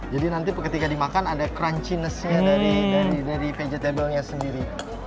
jadi nanti ketika dimakan ada crunchiness nya dari vegetable nya sendiri